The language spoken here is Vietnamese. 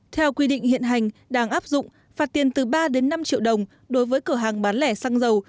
theo quy định hiện hành đang áp dụng phạt tiền từ ba đến năm triệu đồng đối với cửa hàng bán lẻ xăng dầu